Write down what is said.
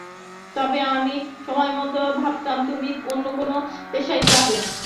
তবে আমি সবসময় ভাবতাম তুমি অন্য কোন পেশায় যাবে।